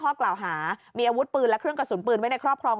ข้อกล่าวหามีอาวุธปืนและเครื่องกระสุนปืนไว้ในครอบครอง